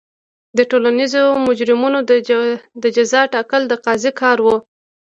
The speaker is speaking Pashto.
د ټولنیزو جرمونو د جزا ټاکل د قاضي کار و.